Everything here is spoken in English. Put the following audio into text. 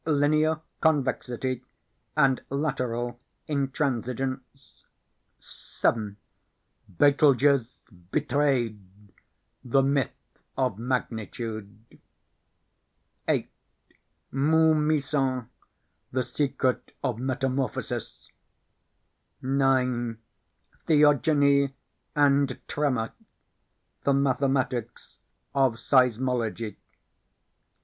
Linear Convexity and Lateral Intransigence. 7. Betelgeuse Betrayed the Myth of Magnitude. 8. Mu Meson, the Secret of Metamorphosis. 9. Theogony and Tremor the Mathematics of Seismology.